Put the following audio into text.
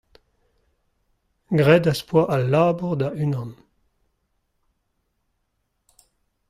Graet az poa al labour da-unan.